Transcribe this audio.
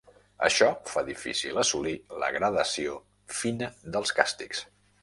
Això fa difícil assolir la gradació fina dels càstigs.